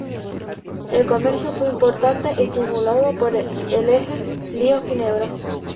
El comercio fue importante, estimulado por el eje Lyon-Ginebra.